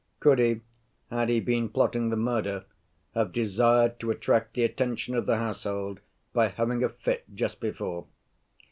Could he, had he been plotting the murder, have desired to attract the attention of the household by having a fit just before?